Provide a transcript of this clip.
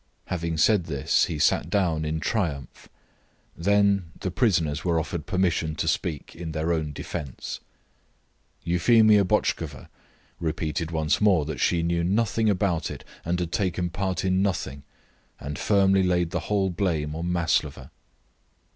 Having said this he sat down in triumph. Then the prisoners were offered permission to speak in their own defence. Euphemia Botchkova repeated once more that she knew nothing about it and had taken part in nothing, and firmly laid the whole blame on Maslova.